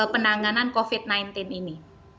penanganan covid sembilan belas ini